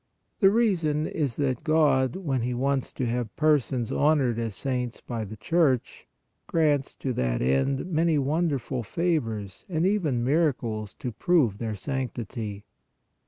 The reason is that God, when He wants to have persons hon ored as saints by the Church, grants to that end many wonderful favors and even miracles to prove their sanctity.